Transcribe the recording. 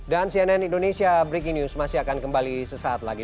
cnn indonesia breaking news masih akan kembali sesaat lagi